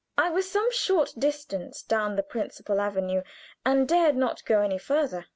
I was some short distance down the principal avenue, and dared not go any further.